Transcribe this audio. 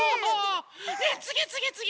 ねえつぎつぎつぎ！